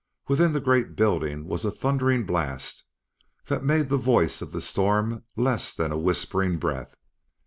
Within the great building was a thundering blast that made the voice of the storm less than a whispering breath.